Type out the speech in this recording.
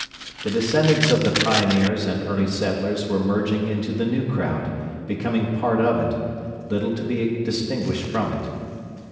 The descendants of the pioneers and early settlers were merging into the new crowd, becoming part of it, little to be distinguished from it.